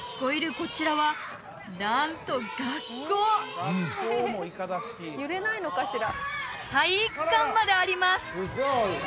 こちらはなんと学校体育館まであります